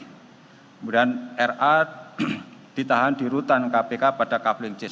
kemudian ra ditahan di rutan kpk pada gedung merah putih